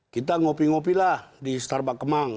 kita ngopi ngopilah di starbucks kemang